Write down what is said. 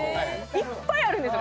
いっぱいあるんですよ。